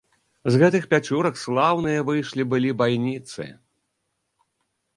З гэтых пячурак слаўныя выйшлі былі байніцы!